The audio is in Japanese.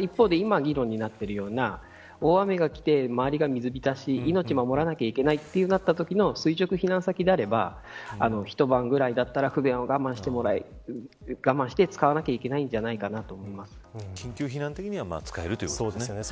一方で今議論になっているような大雨がきて周りが水浸し命を守らないといけないとなったときの垂直避難先であれば一晩ぐらいだったら不便は我慢してもらって我慢して使わないといけないんじゃないかなと緊急避難的には使えるということですね。